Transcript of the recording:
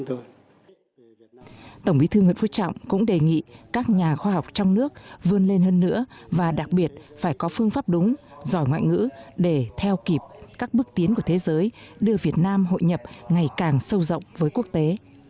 tổng bí thư nguyễn phú trọng cũng đề nghị các nhà khoa học trong nước vươn lên hơn nữa và đặc biệt phải có phương pháp đúng giỏi ngoại ngữ để theo kịp các bước tiến của thế giới đưa việt nam hội nhập ngày càng sâu rộng với quốc tế